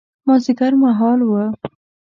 مازیګر مهال و.